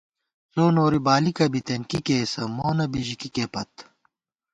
څو نوری بالِکہ بِتېن کی کېئیسہ، مونہ بِژِکِکے پت